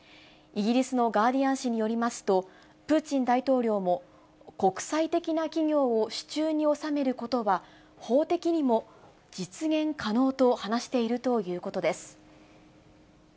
イギリスのガーディアン紙によりますと、プーチン大統領も、国際的な企業を手中に収めることは、法的にも実現可能と話しているということです。